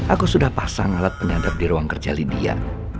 aku sudah pasang alat penyadap di ruang kerja lydia